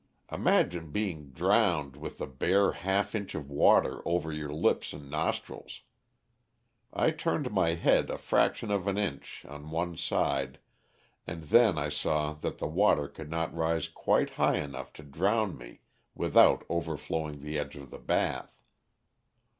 Imagine being drowned with a bare half inch of water over your lips and nostrils. I turned my head a fraction of an inch on one side, and then I saw that the water could not rise quite high enough to drown me without overflowing the edge of the bath.